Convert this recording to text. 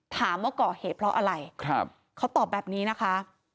ถามว่าก่อเหตุเพราะอะไรเขาตอบแบบนี้นะคะ